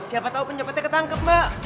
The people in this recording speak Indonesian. siapa tau pencopetnya ketangkep mbak